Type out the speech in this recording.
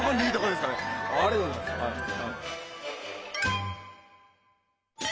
ありがとうございます。